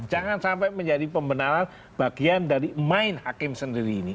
jangan sampai menjadi pembenaran bagian dari main hakim sendiri ini